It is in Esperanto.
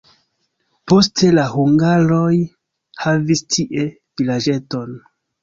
Poste la hungaroj havis tie vilaĝeton.